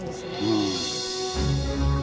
うん。